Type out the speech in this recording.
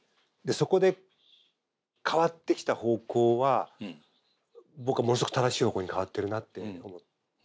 そこで変わってきた方向は僕はものすごく正しい方向に変わってるなって思う。